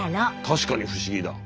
確かに不思議だ。